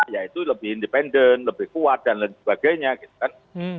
ya itu lebih independen lebih kuat dan lain sebagainya gitu kan